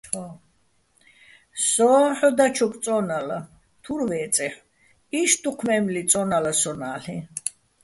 სო́ჼ ჰ̦ო დაჩოკ წო́ნალა, თურ ვე́წეჰ̦ო̆, იშტ დუჴ მე́მნი წო́ნალა სო́ნ-ა́ლ'იჼ.